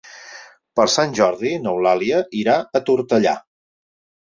Per Sant Jordi n'Eulàlia irà a Tortellà.